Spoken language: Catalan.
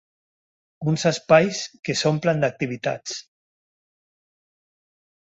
Uns espais que s’omplen d’activitats.